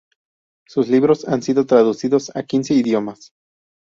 Sus libros han sido traducidos a quince idiomas.